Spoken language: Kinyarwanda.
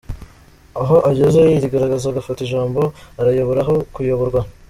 Aho ageze arigaragaza agafata ijambo , arayobora aho kuyoborwa.